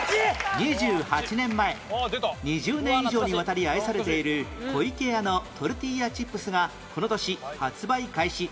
２８年前２０年以上にわたり愛されている湖池屋のトルティーヤチップスがこの年発売開始